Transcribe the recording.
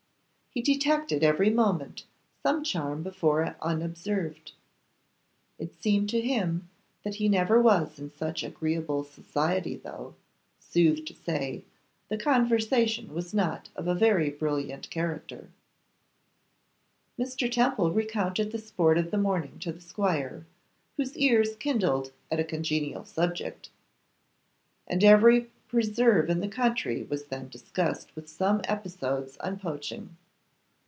He detected every moment some charm before unobserved. It seemed to him that he never was in such agreeable society, though, sooth to say, the conversation was not of a very brilliant character. Mr. Temple recounted the sport of the morning to the squire, whose ears kindled at a congenial subject, and every preserve in the county was then discussed, with some episodes on poaching.